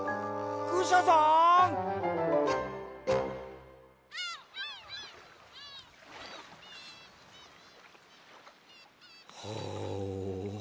クシャさん！はああ。